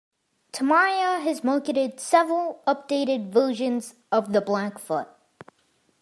Tamiya has marketed several updated version of the Blackfoot.